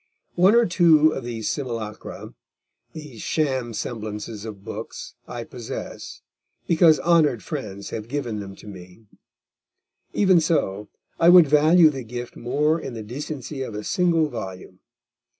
One or two of these simulacra, these sham semblances of books, I possess, because honoured friends have given them to me; even so, I would value the gift more in the decency of a single volume.